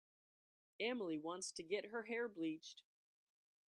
Emily wants to get her hair bleached.